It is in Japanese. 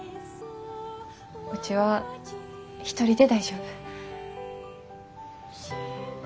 うちは一人で大丈夫。